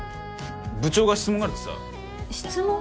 部長が質問があるってさ。質問？